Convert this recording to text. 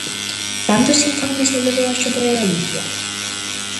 ¿Cantos informes elevou á Xunta de Galicia?